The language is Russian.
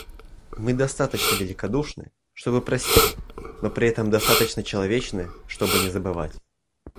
Мы достаточно великодушны, чтобы простить, но при этом достаточно человечны, чтобы не забывать.